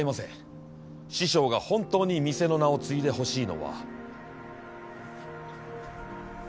師匠が本当に店の名を継いでほしいのは。